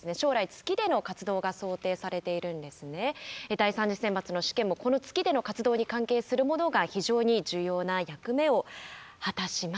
第３次選抜の試験もこの月での活動に関係するものが非常に重要な役目を果たします。